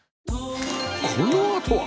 このあとは！